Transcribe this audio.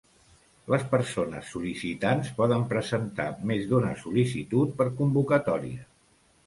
Les persones sol·licitants poden presentar més d'una sol·licitud per convocatòria.